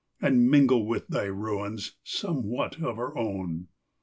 And mingle with thy ruins somewhat of our own.